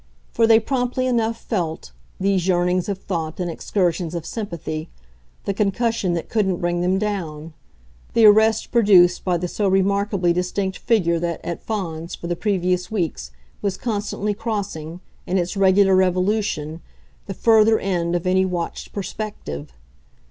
For they promptly enough felt, these yearnings of thought and excursions of sympathy, the concussion that couldn't bring them down the arrest produced by the so remarkably distinct figure that, at Fawns, for the previous weeks, was constantly crossing, in its regular revolution, the further end of any watched perspective.